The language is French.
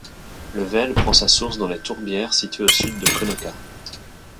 La Vel prend sa source dans les tourbières situées au sud de Konocha.